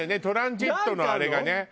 トランジットのあれがね。